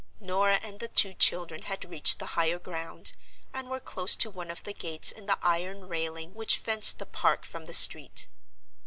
Norah and the two children had reached the higher ground, and were close to one of the gates in the iron railing which fenced the Park from the street.